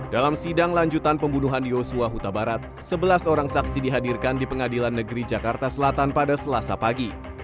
dalam sidang lanjutan pembunuhan yosua huta barat sebelas orang saksi dihadirkan di pengadilan negeri jakarta selatan pada selasa pagi